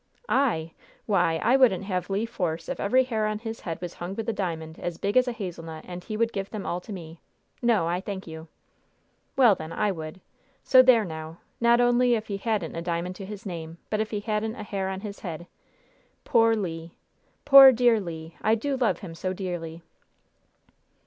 "I! Why, I wouldn't have Le Force if every hair on his head was hung with a diamond as big as a hazel nut, and he would give them all to me. No, I thank you." "Well, then, I would. So there now! Not only if he hadn't a diamond to his name, but if he hadn't a hair on his head. Poor Le! Poor dear Le! I do love him so dearly!"